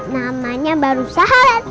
namanya baru syahadat